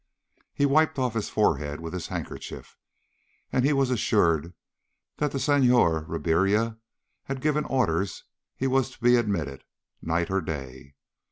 He wiped off his forehead with his handkerchief as he was assured that the Senhor Ribiera had given orders he was to be admitted, night or day.